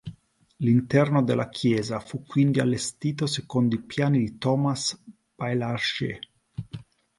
L'interno della chiesa fu quindi allestito secondo i piani di Thomas Baillairgé.